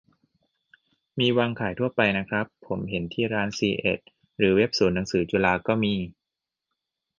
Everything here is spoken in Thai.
มีวางขายทั่วไปนะครับ ผมเห็นที่ร้านซีเอ็ด หรือเว็บศูนย์หนังสือจุฬาก็มี